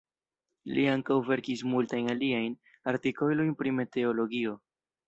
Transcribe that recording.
Li ankaŭ verkis multajn aliajn artikolojn pri meteologio.